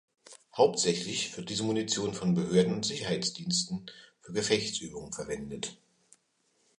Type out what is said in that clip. Hauptsächlich wird diese Munition von Behörden und Sicherheitsdiensten für Gefechtsübungen verwendet.